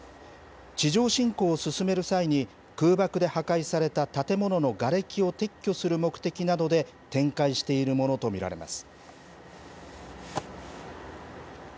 地上侵攻を進める際に、空爆で破壊された建物のがれきを撤去する目的などで、展開しているものと見られます。